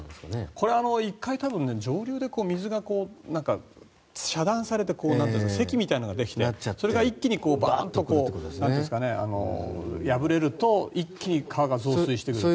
これは１回上流で水が遮断されて堰みたいなのができてそれが一気にバンと破れると一気に川が増水すると。